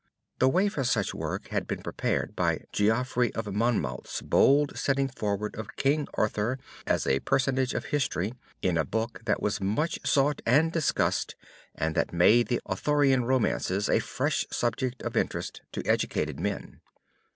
The way for such work had been prepared by Geoffrey of Monmouth's bold setting forward of King Arthur as a personage of history, in a book that was much sought and discussed, and that made the Arthurian Romances a fresh subject of interest to educated men.